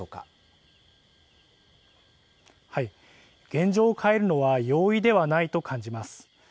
現状を変えるのは容易ではないと感じます。